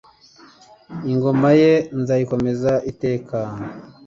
Ingoma ye nzayikomeza iteka